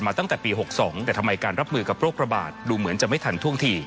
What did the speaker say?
ตั้งแต่ปี๖๒แต่ทำไมการรับมือกับโรคระบาดดูเหมือนจะไม่ทันท่วงที